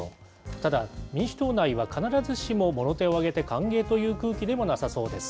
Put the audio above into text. ただ、民主党内は必ずしももろ手を挙げて歓迎という空気でもなさそうです。